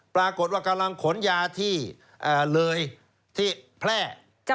ปรากฏว่ากำลังขนยาที่เลยที่แพร่